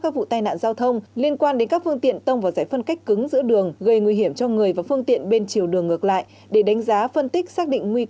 cảm ơn các bạn đã theo dõi và hẹn gặp lại